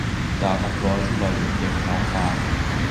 ดาวนับร้อยที่ลอยอยู่เต็มท้องฟ้า